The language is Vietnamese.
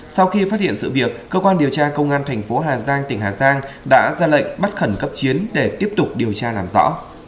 sau khi phát hiện sự việc cơ quan điều tra công an thành phố hà giang tỉnh hà giang đã ra lệnh bắt khẩn cấp chiến để tiếp tục điều tra làm rõ